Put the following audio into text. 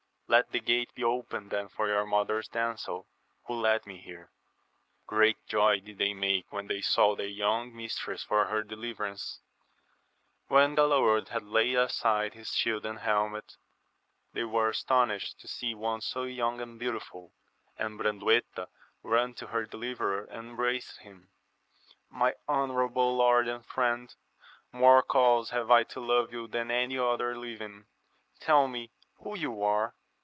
— ^Letthe gate be opened then for your mother's damsels, who led me here* Great joy did they make when they saw their young mistress for her deUverance. When Galaor had laid aside his shield and helmet, they were astonished to see one so young and beau tiful ; and Brandueta ran to her deliverer and em braced him :— My honourable lord and Mend, more cause have I to love you than any other living ! tell me who you are?